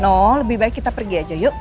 no lebih baik kita pergi aja yuk